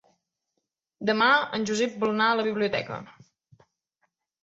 Demà en Josep vol anar a la biblioteca.